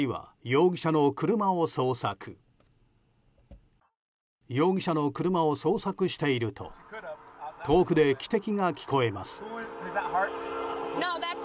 容疑者の車を捜索していると遠くで汽笛が聞こえます。